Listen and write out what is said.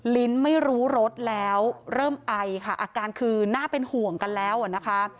ลิ้นไม่รู้รสแล้วเริ่มไอค่ะอาการคือน่าเป็นห่วงกันแล้วนะคะ